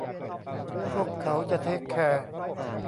พวกเขาจะเทกแคร์